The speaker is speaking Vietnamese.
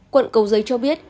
quận cầu giấy cho biết